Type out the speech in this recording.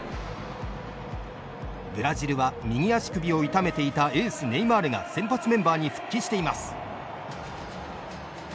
ブラジルは右足首を痛めていたエース、ネイマールが先発メンバーに復帰しています。